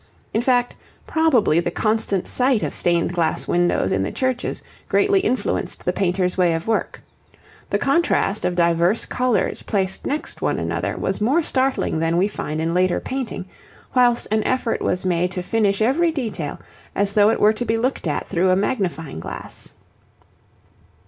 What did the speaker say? In fact probably the constant sight of stained glass windows in the churches greatly influenced the painters' way of work. The contrast of divers colours placed next one another was more startling than we find in later painting, whilst an effort was made to finish every detail as though it were to be looked at through a magnifying glass.